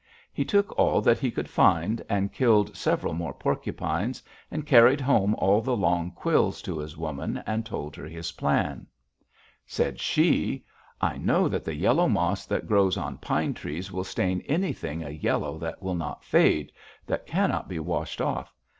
He took all that he could find, and killed several more porcupines, and carried home all the long quills to his woman and told her his plan. "Said she, 'I know that the yellow moss that grows on pine trees will stain anything a yellow that will not fade, that cannot be washed off.